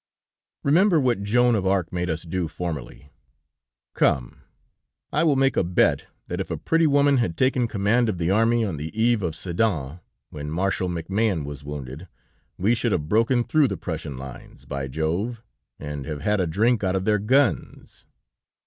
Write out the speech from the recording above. Remember what Joan of Arc made us do formerly! Come, I will make a bet that if a pretty woman had taken command of the army on the eve of Sedan, when Marshal Mac Mahon was wounded, we should have broken through the Prussian lines, by Jove! and have had a drink out of their guns.